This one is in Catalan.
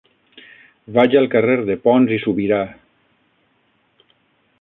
Vaig al carrer de Pons i Subirà.